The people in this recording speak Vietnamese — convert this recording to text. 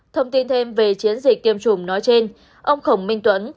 thông tin thêm về chiến dịch tiêm chủng nói trên ông khổng minh tuấn